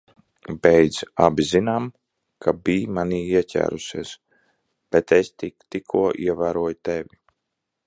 Beidz. Abi zinām, ka biji manī ieķērusies, bet es tik tikko ievēroju tevi.